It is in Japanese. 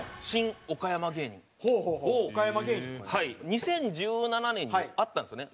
２０１７年にあったんですよね。